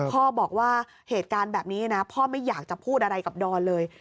พ่อบอกว่าเหตุการณ์แบบนี้นะพ่อไม่อยากจะพูดอะไรกับดอนเลย